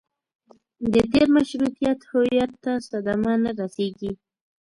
د تېر مشروطیت هویت ته صدمه نه رسېږي.